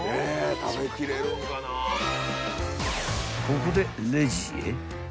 ［ここでレジへ］